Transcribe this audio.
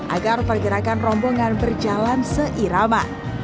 agar pergerakan rombongan berjalan seirama